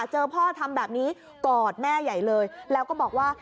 เจอพ่อทำแบบนี้กอดแม่ใหญ่เลยแล้วก็บอกว่า